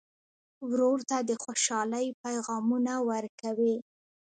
ورور ته د خوشحالۍ پیغامونه ورکوې.